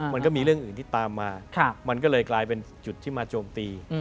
มันก็มีเรื่องอื่นที่ตามมามันก็เลยกลายเป็นจุดที่มาโจมตี